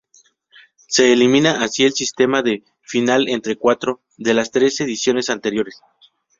Se elimina así el sistema de "final entre cuatro" de las tres ediciones anteriores.